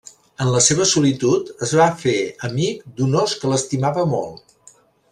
En la seva solitud es va fer amic d'un ós que l'estimava molt.